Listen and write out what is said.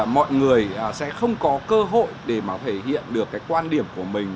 mọi người sẽ không có cơ hội để mà thể hiện được cái quan điểm của mình